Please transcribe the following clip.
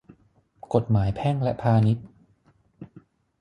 กฎหมายแพ่งและพาณิชย์